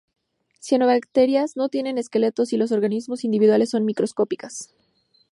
Cianobacterias no tienen esqueletos y los organismos individuales son microscópicas.